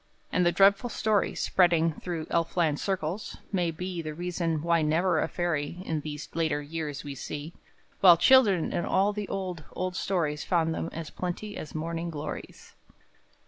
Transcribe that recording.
And the dreadful story, spreading Through Elfland circles, may be The reason why never a fairy In these later years we see, While children in all the old, old stories Found them as plenty as morning glories!